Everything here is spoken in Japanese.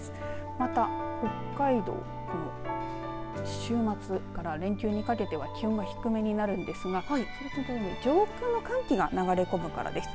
また、北海道週末から連休にかけては気温が低めになるんですが上空の寒気が流れ込むからです。